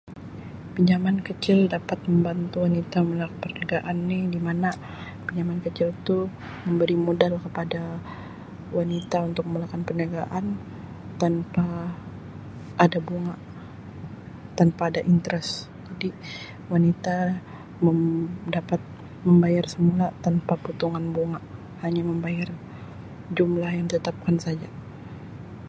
Pinjaman kecil dapat membantu wanita melakukan perniagaan ni di mana pinjaman kecil tu memberi modal kepada wanita untuk memulakan perniagaan tanpa ada bunga, tanpa ada interest, jadi wanita mem-dapat membayar semula tanpa potongan bunga, hanya membayar jumlah yang ditetapkan sahaja.